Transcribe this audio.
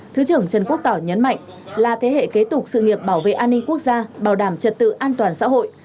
thứ trưởng trần quốc tỏ nhấn mạnh là thế hệ kế tục sự nghiệp bảo vệ an ninh quốc gia bảo đảm trật tự an toàn xã hội